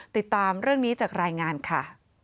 ติดตามเรื่องนี้จากรายงานค่ะ